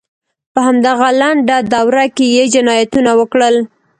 په همدغه لنډه دوره کې یې جنایتونه وکړل.